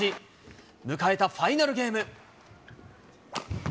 迎えたファイナルゲーム。